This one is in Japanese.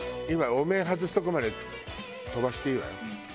お面外すとこまで飛ばしていいわよ。